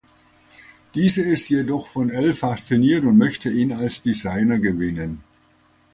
Diese ist jedoch von El fasziniert und möchte ihn als Designer gewinnen.